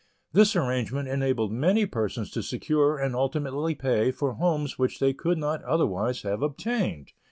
This arrangement enabled many persons to secure and ultimately pay for homes which they could not otherwise have obtained.